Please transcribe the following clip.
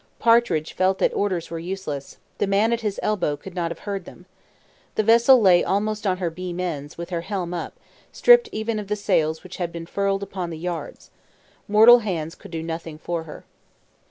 Partridge felt that orders were useless the man at his elbow could not have heard them. The vessel lay almost on her beam ends, with her helm up, stripped even of the sails which had been furled upon the yards. Mortal hands could do nothing for her.